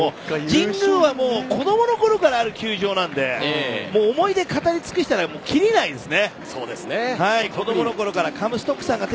神宮は子供のころからある球場なので思い出語り尽くしたらキリないです。